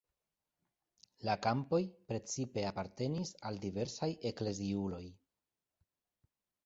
La kampoj precipe apartenis al diversaj ekleziuloj.